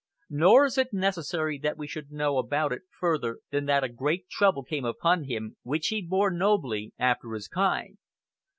Nor is it necessary that we should know about it further than that a great trouble came upon him, which he bore nobly, after his kind.